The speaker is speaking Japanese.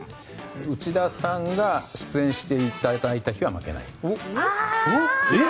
内田さんが出演していただいた日は負けない。